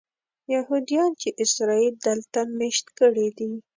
یهودیان چې اسرائیل دلته مېشت کړي دي.